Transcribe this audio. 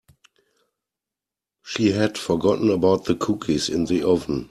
She had forgotten about the cookies in the oven.